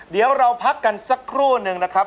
เดี๋ยวเราพักกันสักครู่นึงนะครับ